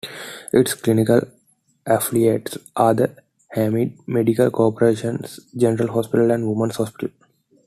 Its clinical affiliates are the Hamad Medical Corporation's General Hospital and Women's Hospital.